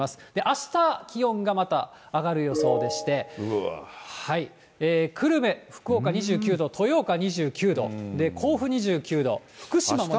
あした気温がまた上がる予想でして、久留米、福岡、２９度、、２９度で、甲府２９度、福島も２９度。